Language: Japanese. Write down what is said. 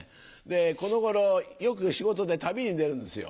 この頃よく仕事で旅に出るんですよ。